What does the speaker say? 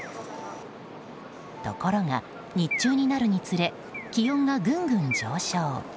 ところが、日中になるにつれ気温がぐんぐん上昇。